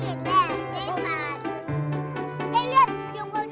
bangku bawa ini